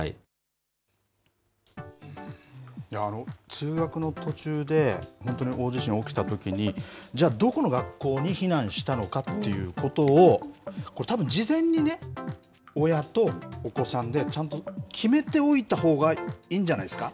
通学の途中で、本当に大地震起きたときに、じゃあ、どこの学校に避難したのかっていうことを、これたぶん、事前にね、親とお子さんでちゃんと決めておいたほうがいいんじゃないですか。